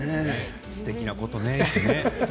すてきなことね。